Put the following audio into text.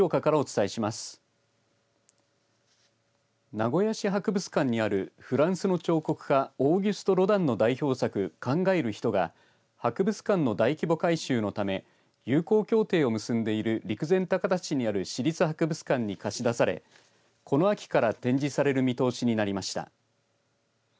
名古屋市博物館にあるフランスの彫刻家オーギュスト・ロダンの代表作考える人が博物館の大規模改修のため友好協定を結んでいる陸前高田市にある市立博物館に貸し出され、この秋から展示される見通しになりました。